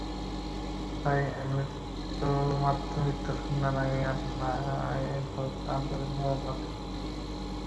তাই মাতৃমৃত্যু শূন্যে নামিয়ে আনাই হোক আন্তর্জাতিক নিরাপদ মাতৃত্ব দিবসের অঙ্গীকার।